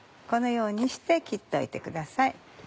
このようにして切っておいてください。